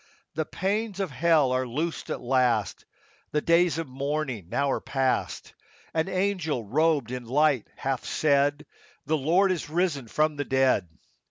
The pains of hell are loosed at last ; The days of mourning now are past ; An angel robed in light hath said, —" The Lord is risen from the dead."